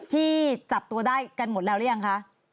ที่จับตัวได้กันหมดแล้วหรือยังคะ